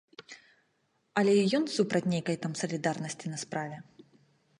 Але і ён супраць нейкай там салідарнасці на справе.